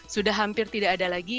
sudah hampir tidak ada lagi